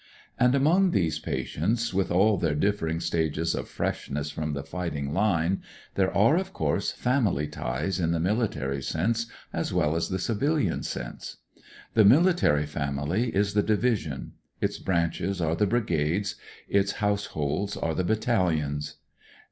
And n THE HOSPITAL MAHi BAGS 179 among these patients, with all their differ ing stages of freshness from the fighting line, there are, of course, family ties in the military sense as well as the civilian sense. The miUtary family is the division ; its branches are the brigades; its house holds are the battalions.